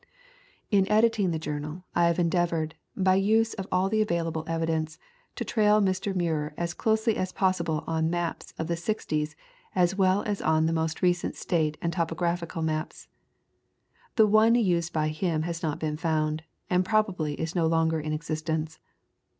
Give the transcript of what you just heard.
In editing the journal I have endeavored, by use of all the available evidence, to trail Mr. Muir as closely as possible on maps of the sixties as well as on the most recent state and topo graphical maps. The one used by him has not been found, and probably is no longer in exist ence.